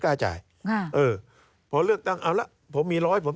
การเลือกตั้งครั้งนี้แน่